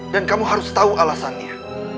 dan kamu harus tahu alasannya